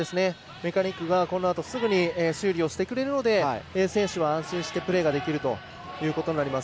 メカニックが、このあとすぐに修理をしてくれるので選手は安心してプレーができるということになります。